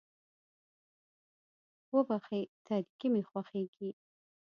وبښئ تاريکي مې خوښېږي.